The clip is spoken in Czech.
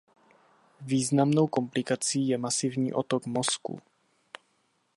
Významnou komplikací je masivní otok mozku.